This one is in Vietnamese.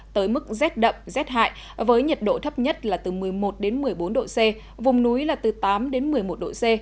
tới mức rét đậm rét hại với nhiệt độ thấp nhất là từ một mươi một đến một mươi bốn độ c vùng núi là từ tám đến một mươi một độ c